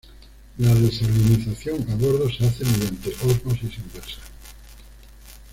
La desalinización a bordo se hace mediante ósmosis inversa.